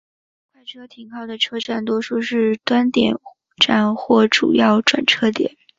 快车停靠的车站多数是端点站或主要转车点。